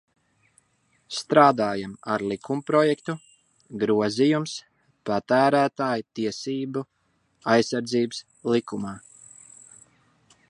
"Strādājam ar likumprojektu "Grozījums Patērētāju tiesību aizsardzības likumā"."